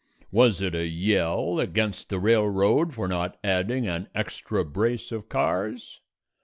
Was it a yell against the railroad for not adding an extra brace of cars?